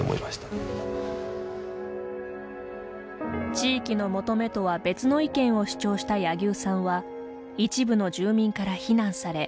地域の求めとは別の意見を主張した柳生さんは一部の住民から非難され